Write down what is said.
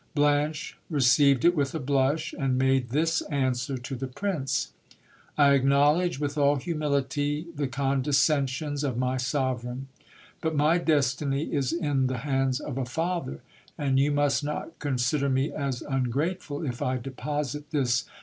Blanche received it with a blush, and made this answer to the prince — I acknowledge vrith all humility the condescensions of my sovereign, but my destiny is in the 1 ands of a father, and you must not consider me as ungrateful if I deposit this GIL BLAS.